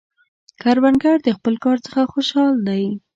کروندګر د خپل کار څخه خوشحال دی